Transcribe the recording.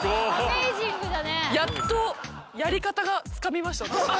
やっとやり方がつかみました私。